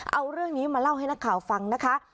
เอาเรื่องนี้มาเล่าให้นักข่าวฟังนะคะ